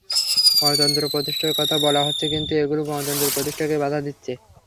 গণতন্ত্র প্রতিষ্ঠার কথা বলা হচ্ছে কিন্তু এগুলো গণতন্ত্র প্রতিষ্ঠাকে বাধা দিচ্ছে।